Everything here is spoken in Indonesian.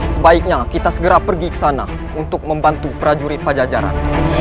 sebaiknya kita segera pergi ke sana untuk membantu prajurit pajajaran